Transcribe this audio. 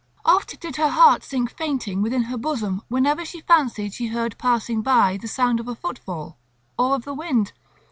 Oft did her heart sink fainting within her bosom whenever she fancied she heard passing by the sound of a footfall or of the wind.